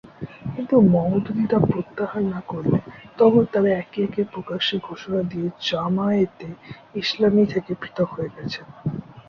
কিন্তু মওদুদী তা প্রত্যাহার না করলে, তখন তারা একে একে প্রকাশ্যে ঘোষণা দিয়ে জামায়াতে ইসলামী থেকে পৃথক হয়ে গেছেন।